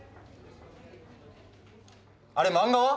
あれ漫画は？